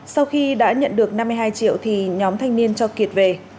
sau khi đã nhận được năm mươi hai triệu thì nhóm thanh niên cho kiệt về